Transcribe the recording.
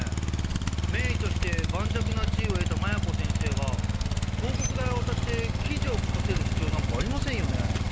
名医として盤石な地位を得た麻弥子先生が広告代を渡して記事を書かせる必要なんかありませんよね？